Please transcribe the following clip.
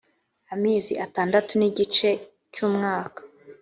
amezi atandatu nigice cyumwaka.